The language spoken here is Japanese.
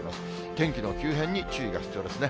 天気の急変に注意が必要ですね。